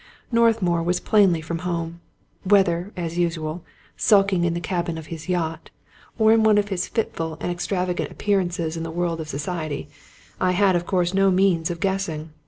Northmour was plainly from home ; whether, as usual, sulk ing in the cabin of his yacht, or in one of his fitful ind ex 157 Scotch Mystery Stories travagant appearances in the world of society, I had, of course, no means of guessing.